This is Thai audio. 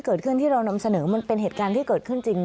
ที่เรานำเสนอมันเป็นเหตุการณ์ที่เกิดขึ้นจริง